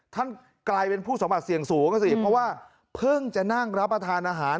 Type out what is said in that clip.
ท่านกลายเป็นผู้สัมผัสเสี่ยงสูงอ่ะสิเพราะว่าเพิ่งจะนั่งรับประทานอาหาร